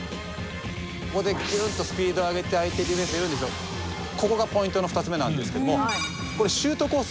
ここでギュンとスピードを上げて相手ディフェンスがいるんですけどここがポイントの２つ目なんですけどもこれシュートコース